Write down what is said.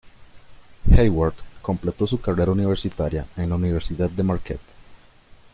Hayward completó su carrera universitaria en la Universidad de Marquette.